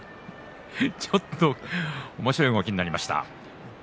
ちょっとおもしろい動きになりました。